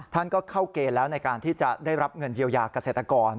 ท่านก็เข้าเกณฑ์แล้วในการที่จะได้รับเงินเยียวยาเกษตรกร